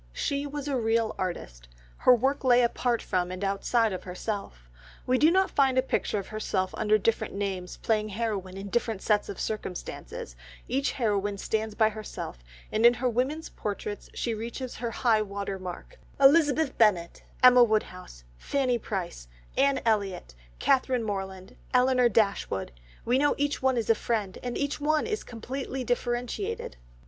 She was a real artist. Her work lay apart from and outside of herself. We do not find a picture of herself under different names playing heroine in different sets of circumstances; each heroine stands by herself, and in her women's portraits she reaches her high water mark—Elizabeth Bennet, Emma Woodhouse, Fanny Price, Anne Elliot, Catherine Morland, Elinor Dashwood, we know each one as a friend, and each one is completely differentiated.